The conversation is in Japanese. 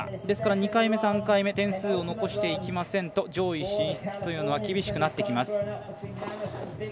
ですから２回目、３回目点数を残していきませんと上位進出というのは厳しくなってきます。